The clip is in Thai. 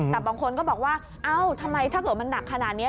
แต่บางคนก็บอกว่าเอ้าทำไมถ้าเกิดมันหนักขนาดนี้